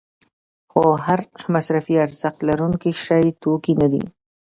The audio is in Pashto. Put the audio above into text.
خو هر مصرفي ارزښت لرونکی شی توکی نه دی.